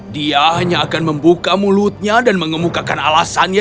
dia hanya akan membuka mulutnya dan mengemukakan alasannya